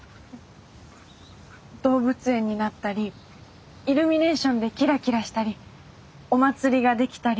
動物園になったりイルミネーションでキラキラしたりお祭りができたり。